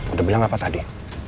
udah bilang apa tadi